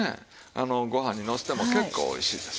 ご飯にのせても結構おいしいです。